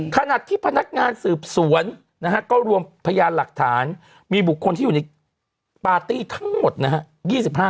ขณะที่พนักงานสืบสวนนะฮะก็รวมพยานหลักฐานมีบุคคลที่อยู่ในปาร์ตี้ทั้งหมดนะฮะ